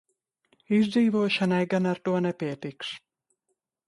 Izdzīvošanai gan ar to nepietiks.